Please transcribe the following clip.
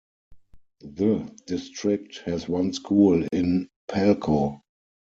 The district has one school in Palco.